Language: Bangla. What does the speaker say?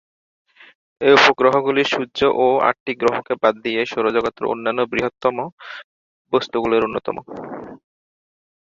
এই উপগ্রহগুলি সূর্য ও আটটি গ্রহকে বাদ দিয়ে সৌরজগতের অন্যান্য বৃহত্তম বস্তুগুলির অন্যতম।